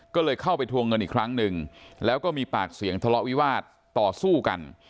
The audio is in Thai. ก็เลยเข้าไปทวงเงินอีกครั้งหนึ่งแล้วก็มีปากเสียงทะเลาะวิวาสต่อสู้กัน